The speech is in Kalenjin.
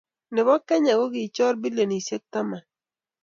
Nebo Kenya kokichor bilionisiekab taman